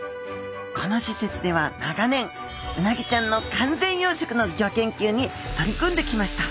このしせつでは長年うなぎちゃんの完全養殖のギョ研究に取り組んできました。